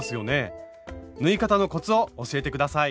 縫い方のコツを教えて下さい。